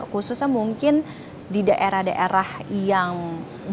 khususnya mungkin di daerah daerah yang